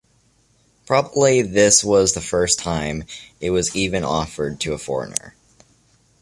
Probably this was the first time it was even offered to a foreigner.